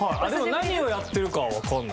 何をやってるかはわからない。